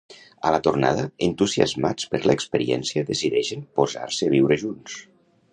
A la tornada, entusiasmats per l'experiència, decideixen posar-se a viure junts.